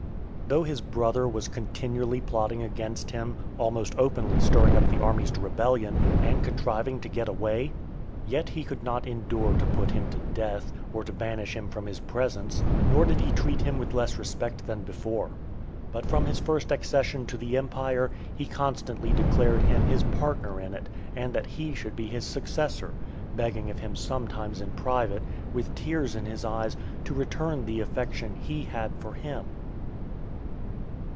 Though his brother was continually plotting against him, almost openly stirring up the armies to rebellion, and contriving to get away, yet he could not endure to put him to death, or to banish him from his presence; nor did he treat him with less respect than before. But from his first accession to the empire, he constantly declared him his partner in it, and that he should be his successor; begging of him sometimes in private, with tears in his eyes, "to return the affection he had for him."